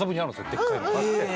でっかいのがあって。